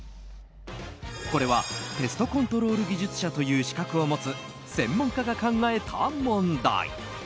これはペストコントロール技術者という資格を持つ専門家が考えた問題。